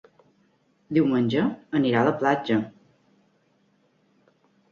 Diumenge anirà a la platja.